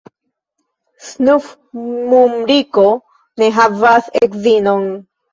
Snufmumriko ne havas edzinon.